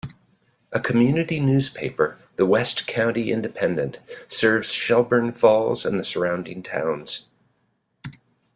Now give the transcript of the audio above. A community newspaper, the "West County Independent," serves Shelburne Falls and the surrounding towns.